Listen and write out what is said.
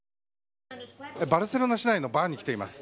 バルセロナ市内のバーに来ています。